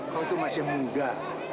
kau itu masih munggah